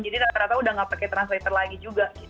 jadi rata rata udah gak pakai translator lagi juga